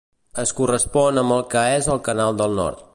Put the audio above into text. Es correspon amb el que és el Canal del Nord.